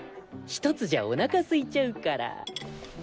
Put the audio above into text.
１つじゃおなかすいちゃうから。